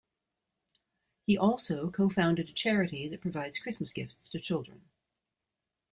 He also co-founded a charity that provides Christmas gifts to children.